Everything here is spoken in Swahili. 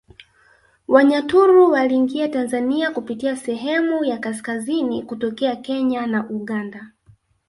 Wanyaturu waliingia Tanzania kupitia sehemu ya kaskazini kutokea Kenya na Uganda